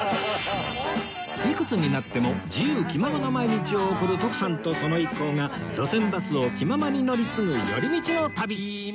いくつになっても自由気ままな毎日を送る徳さんとその一行が路線バスを気ままに乗り継ぐ寄り道の旅